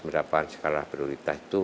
mendapatkan skala prioritas itu